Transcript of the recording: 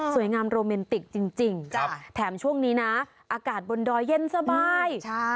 งามโรแมนติกจริงแถมช่วงนี้นะอากาศบนดอยเย็นสบาย